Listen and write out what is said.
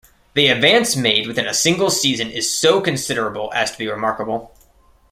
The advance made within a single season is so considerable as to be remarkable.